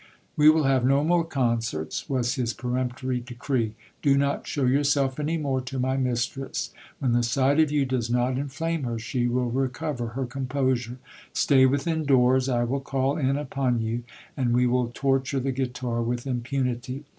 We will have no more concerts, was his peremptory decree. Do not show yourself any more to my mistress : when the sight of you does not inflame her, she will recover her composure. Stay within doors : I will call in upon you, and we will torture the guitar with impunity.